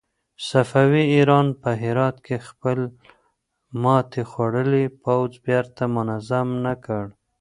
صفوي ایران په هرات کې خپل ماتې خوړلی پوځ بېرته منظم نه کړ.